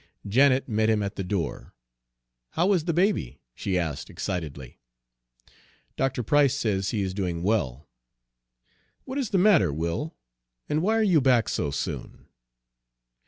Janet met him at the door. "How is the baby?" she asked excitedly. "Dr. Price says he is doing well." "What is the matter, Will, and why are you back so soon?"